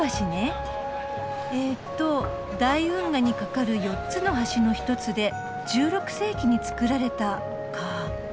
えっと「大運河に架かる４つの橋の一つで１６世紀に造られた」か。